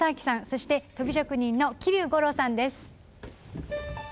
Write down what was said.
そして鳶職人の桐生五郎さんです。